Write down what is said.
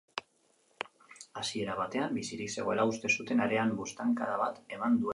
Hasiera batean bizirik zegoela uste zuten arean buztankada bat eman duelako.